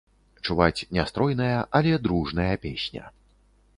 Чуваць нястройная, але дружная песня.